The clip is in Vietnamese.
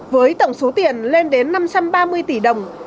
với tổng số tiền lên đến năm trăm ba mươi tỷ đồng